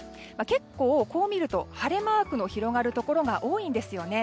結構、こう見ると晴れマークの広がるところが多いんですよね。